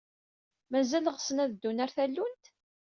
Mazal ɣsen ad ddun ɣer tallunt?